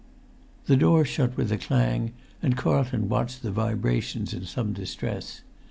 The door shut with a clang, and Carlton watched the vibrations in some distress.